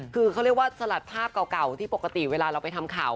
คือเขาเรียกว่าสลัดภาพเก่าที่ปกติเวลาเราไปทำข่าว